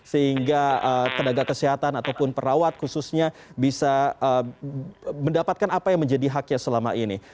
sehingga tenaga kesehatan ataupun perawat khususnya bisa mendapatkan apa yang menjadi haknya selama ini